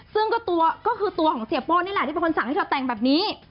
ซึ่งก็คือตัวของเสียโป้นี่แหละที่เป็นคนสั่งให้เธอแต่งแบบนี้